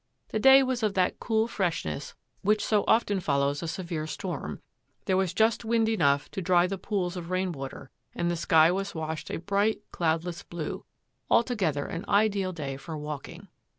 The day was of that cool freshness which so often follows a severe storm, there was just wind enough to dry the pools of rain water, and the sky was washed a bright, cloudless blue — altogether an ideal day for walking.